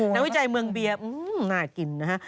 วิจัยเมืองเบียร์น่ากินนะฮะ